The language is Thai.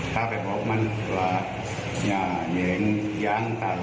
กล้าไปบอกมันว่าอย่าเห็นอย่างสาหรับ